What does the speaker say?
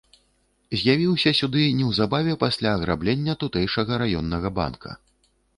І з'явіўся сюды неўзабаве пасля аграблення тутэйшага раённага банка.